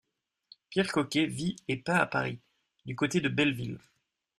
Pierre Coquet vit et peint à Paris, du côté de Belleville.